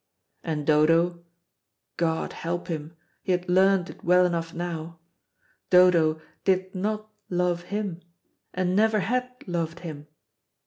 And Dodo God help him! he had learned it well enough now Dodo did not love him, and never had loved him.